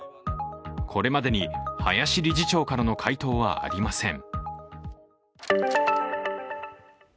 これまでに林理事長からの回答はありません。